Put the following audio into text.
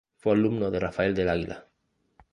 Fue alumno de Rafael del Águila.